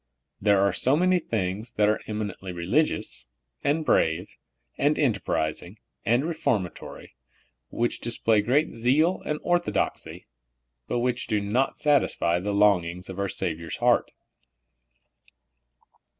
There are so many things that are eminently religious, and brave, and enterprising, and reformatory, which display great zeal and orthodoxy, but which do not satisfy the longings of our Savior's heart.